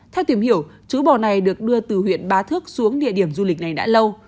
theo tìm hiểu chú bò này được đưa từ huyện bá thước xuống địa điểm du lịch này đã lâu